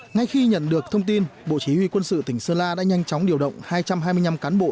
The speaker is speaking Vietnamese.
ngay khi nhận được thông tin bộ chỉ huy quân sự tỉnh sơn la đã nhanh chóng điều động hai trăm hai mươi năm cán bộ